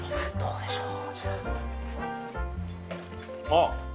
あっ。